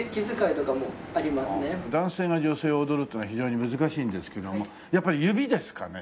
男性が女性を踊るっていうのは非常に難しいんですけどもやっぱり指ですかね？